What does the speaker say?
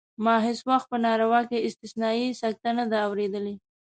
ما هېڅ وخت په نارو کې استثنایي سکته نه ده اورېدلې.